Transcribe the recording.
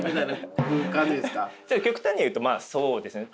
極端に言うとそうですね。